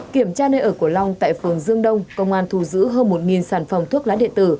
kiểm tra nơi ở của long tại phường dương đông công an thu giữ hơn một sản phẩm thuốc lá điện tử